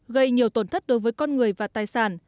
gây nhiều tổn thất đối với con người và tài sản